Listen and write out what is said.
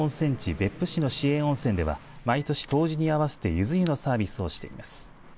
別府市の市営温泉では毎年、冬至に合わせてゆず湯のサービスをしています。